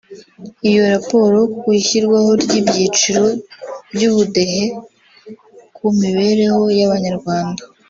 Iyo raporo ku ishyirwaho ry’ibyiciro by’Ubudehe ku mibereho y’Abanyarwanda